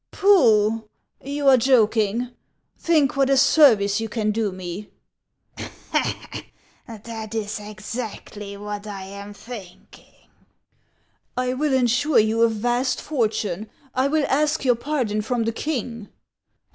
" Pooh ! you are joking ! Think what a service you can do me." "That is exactly what I am thinking." 19 290 HANS OF ICELAND. " I will insure you a vast fortune ; I will ask your pardon from the king."